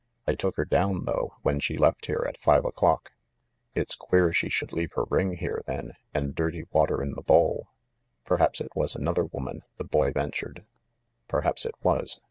"I took her down, though, when she left here, at five o'clock." "It's queer she should leave her ring here, then, and dirty water in the bowl." "Perhaps it was another woman," the boy ventured. "Perhaps it was.